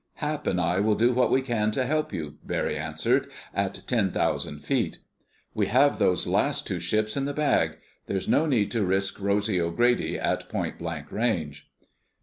"Hap and I will do what we can to help you," Barry answered, "at ten thousand feet. We have those last two ships in the bag. There's no need to risk Rosy O'Grady at point blank range."